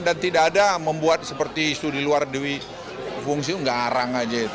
dan tidak ada membuat seperti itu di luar dwi fungsi nggak arang aja itu